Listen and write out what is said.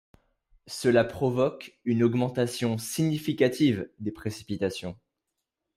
Cela provoque une augmentation significative des précipitations.